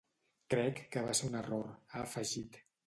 Crec que va ser un error, ha afegit.